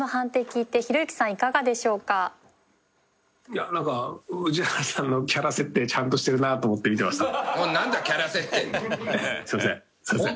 いやなんか氏原さんのキャラ設定ちゃんとしてるなと思って見てました。